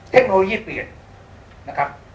เทคโนโลยีเปลี่ยน